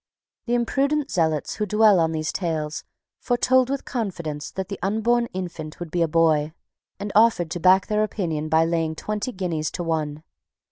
The imprudent zealots who dwelt on these tales foretold with confidence that the unborn infant would be a boy, and offered to back their opinion by laying twenty guineas to one.